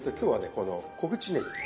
この小口ねぎ。